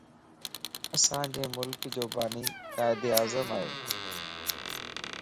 اسان جي ملڪ جو باني قائد اعظم ائي